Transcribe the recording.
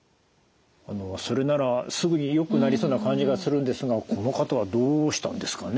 それならすぐによくなりそうな感じがするんですがこの方はどうしたんですかね？